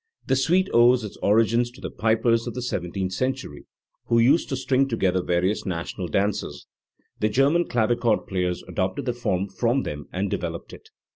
The suite owes "its origin to the pipers of the seventeenth century, who used to string together various national dances. The German clavichord players adopted the form from them and developed it.